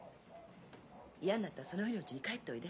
嫌んなったらその日のうちに帰っておいで。